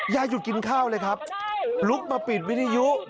หยุดกินข้าวเลยครับลุกมาปิดวิทยุ